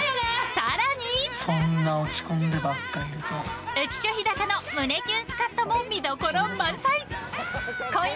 更に、浮所飛貴の胸キュンスカッとも見どころ満載。